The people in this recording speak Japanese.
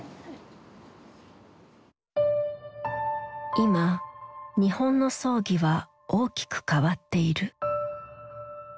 今日本の葬儀は大きく変わっている。